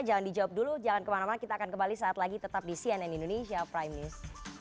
jangan dijawab dulu jangan kemana mana kita akan kembali saat lagi tetap di cnn indonesia prime news